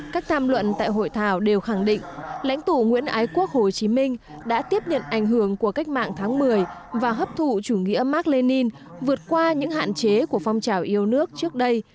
các tham luận tại hội thảo đều khẳng định lãnh tụ nguyễn ái quốc hồ chí minh đã tiếp nhận ảnh hưởng của cách mạng tháng một mươi và hấp thụ chủ nghĩa mark lenin vượt qua những hạn chế của phong trào yêu nước trước đây